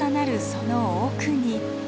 その奥に。